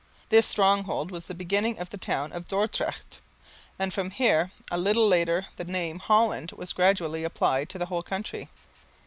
This stronghold was the beginning of the town of Dordrecht, and from here a little later the name Holland was gradually applied to the whole county.